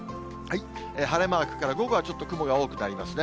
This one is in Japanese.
晴れマークから、午後はちょっと雲が多くなりますね。